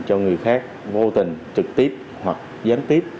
cho người khác vô tình trực tiếp hoặc gián tiếp